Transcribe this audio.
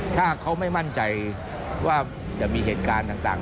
ถ้าเขาไม่มั่นใจว่าจะมีเหตุการณ์ต่าง